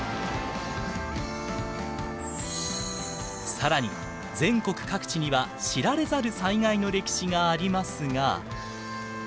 更に全国各地には知られざる災害の歴史がありますが。